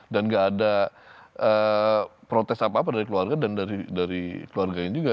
dan tidak ada protes apa apa dari keluarga dan dari keluarganya juga